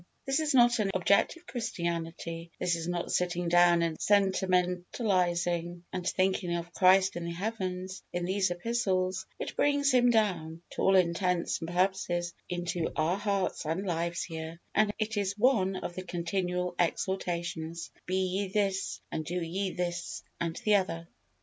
This is not an objective Christianity this is not sitting down and sentimentalizing and thinking of Christ in the Heavens, in these epistles; it brings Him down, to all intents and purposes, INTO OUR HEARTS AND LIVES HERE, and it is one of the continual exhortations, be ye this, and do ye this and the other.